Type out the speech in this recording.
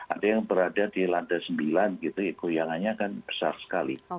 ada yang berada di lantai sembilan gitu goyangannya kan besar sekali